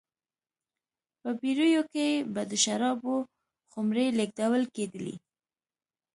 په بېړیو کې به د شرابو خُمرې لېږدول کېدلې